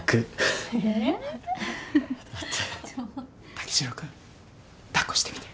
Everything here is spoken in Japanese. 武四郎君抱っこしてみて。